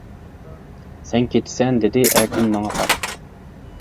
-سەن كېتىسەن؟ -دېدى ئەركىن ماڭا قاراپ.